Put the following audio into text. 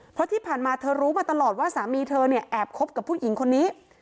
เพราะที่ผ่านมาเธอรู้มาตลอดว่าสามีเธอเนี่ยแอบคบกับผู้หญิงคนนี้